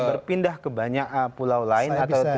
berpindah ke banyak pulau lain atau pulau yang lain